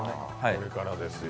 これからですよ。